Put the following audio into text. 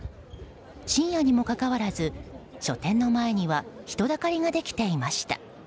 深夜にもかかわらず書店の前には人だかりができていました。